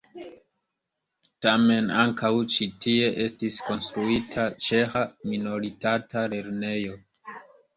Tamen ankaŭ ĉi tie estis konstruita ĉeĥa minoritata lernejo.